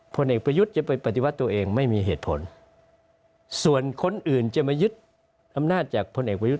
พลเอกประยุทธ์จะไปปฏิวัติตัวเองไม่มีเหตุผลส่วนคนอื่นจะมายึดอำนาจจากพลเอกประยุทธ์